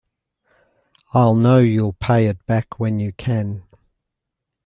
I know you'll pay it back when you can.